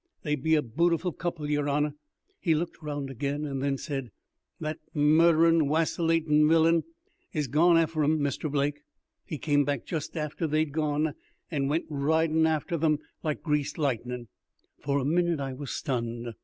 They be a bootiful couple, yer honour." He looked around again, and then said, "That murderin', waccinatin' willain is gone efter 'em, Mr. Blake. He came back just after they'd gone, and went ridin' efter 'em like greased lightnin'." For a minute I was stunned.